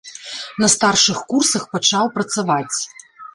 На старшых курсах пачаў працаваць.